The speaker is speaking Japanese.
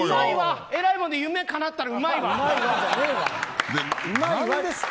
偉いもんで夢かなったらうまいわ。